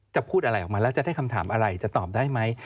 พูดอะไรออกมาแล้วจะได้คำถามอะไรจะตอบได้ไหม